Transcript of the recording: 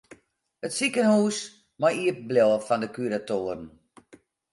It sikehús mei iepen bliuwe fan de kuratoaren.